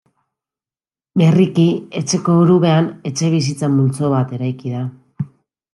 Berriki etxeko orubean etxebizitza-multzo bat eraiki da.